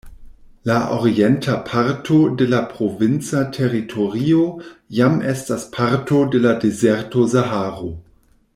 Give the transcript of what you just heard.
La orienta parto de la provinca teritorio jam estas parto de la dezerto Saharo.